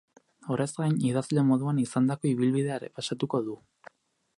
Horrez gain, idazle moduan izandako ibilbidea errepasatuko du.